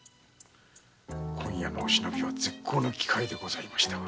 今夜のお忍びは絶好の機会でございましたが。